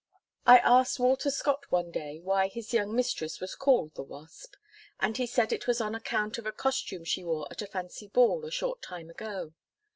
I asked Walter Scott one day why his young mistress was called the Wasp, and he said it was on account of a costume she wore at a fancy ball, a short time ago.